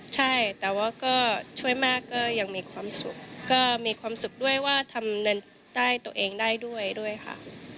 ใช่แต่ว่าก็ช่วยมากก็ยังมีความสุขก็มีความสุขด้วยว่าทำเนินใต้ตัวเองได้ด้วยค่ะ